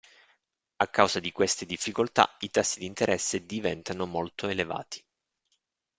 A causa di queste difficoltà i tassi di interesse diventano molto elevati.